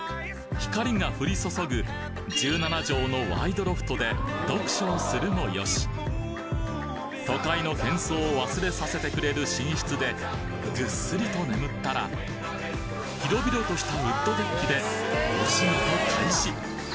光が降り注ぐ１７帖のワイドロフトで読書をするも良し都会の喧騒を忘れさせてくれる寝室でぐっすりと眠ったら広々としたウッドデッキでお仕事開始